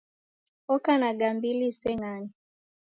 Oka na gambili iseng'ane